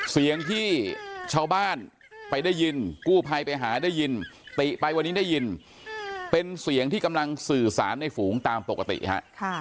เสียงที่ชาวบ้านไปได้ยินกู้ภัยไปหาได้ยินติไปวันนี้ได้ยินเป็นเสียงที่กำลังสื่อสารในฝูงตามปกติฮะ